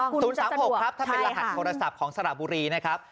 ๐๓๖ครับถ้าเป็นรหัสโทรศัพท์ของสระบุรีนะครับ